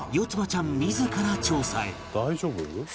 ちゃん自ら調査へ